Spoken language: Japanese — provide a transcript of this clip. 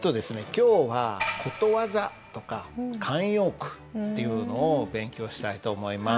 今日はことわざとか慣用句っていうのを勉強したいと思います。